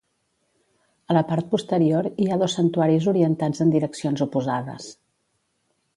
A la part posterior hi ha dos santuaris orientats en direccions oposades.